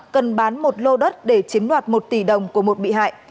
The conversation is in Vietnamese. cần bán một lô đất để chiếm đoạt một tỷ đồng của một bị hại